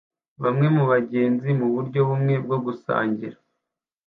Bamwe mubagenzi muburyo bumwe bwo gusangira